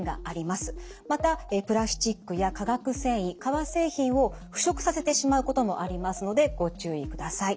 またプラスチックや化学繊維革製品を腐食させてしまうこともありますのでご注意ください。